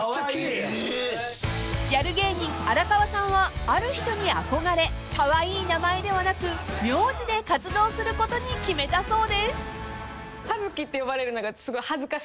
［ギャル芸人荒川さんはある人に憧れカワイイ名前ではなく名字で活動することに決めたそうです］